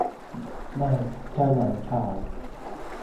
ไม่ เจ้าหนอนกล่าว